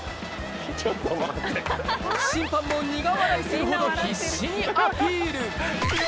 審判も苦笑いするほど必死にアピール